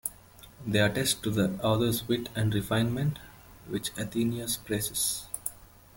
They attest to the author's wit and refinement, which Athenaeus praises.